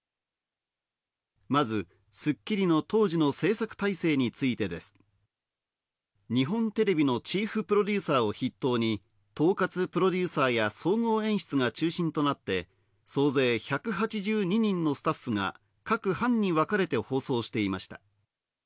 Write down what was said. まず『スッキリ』の当時の制作体制についてです。日本テレビのチーフプロデューサーを筆頭に、統轄プロデューサーや、総合演出が中心となって総勢１８２人のスタッフが各班に分かれて放送していました。